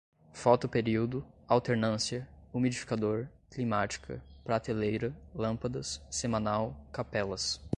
fotoperíodo, alternância, umidificador, climática, prateleira, lâmpadas, semanal, capelas